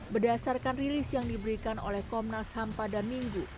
berdasarkan rilis yang diberikan oleh komnas ham pada minggu